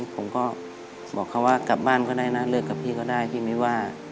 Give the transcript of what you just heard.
ผมก็บอกเขาว่ากลับบ้านก็ได้นะเลิกกับพี่ก็ได้พี่ไม่ว่า